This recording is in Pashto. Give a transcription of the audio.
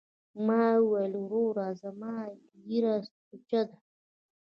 ما وويل وروره زما ږيره سوچه ده.